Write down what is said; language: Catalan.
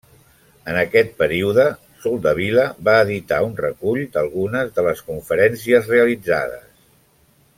En aquest període, Soldevila va editar un recull d'algunes de les conferències realitzades.